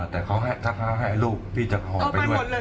แต่เขาให้ลูกพี่จะหอมไปด้วย